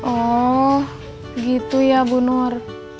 oh gitu ya bu nur